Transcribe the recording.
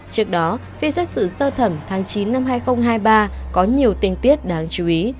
trước đó phiên xét xử sơ thẩm tháng chín năm hai nghìn hai mươi ba có nhiều tình tiết đáng chú ý